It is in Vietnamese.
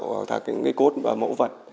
những cốt mẫu vật